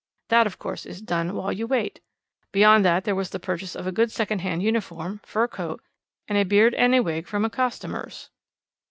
That, of course, is done 'while you wait.' Beyond that there was the purchase of a good second hand uniform, fur coat, and a beard and a wig from a costumier's.